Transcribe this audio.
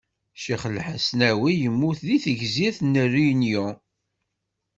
Ccix Lḥesnawi yemmut deg tegzirt n Réunion.